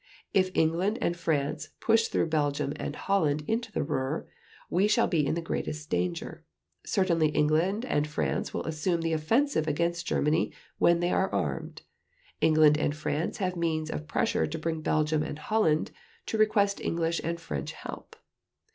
If England and France push through Belgium and Holland into the Ruhr, we shall be in the greatest danger .... Certainly England and France will assume the offensive against Germany when they are armed. England and France have means of pressure to bring Belgium and Holland to request English and French help.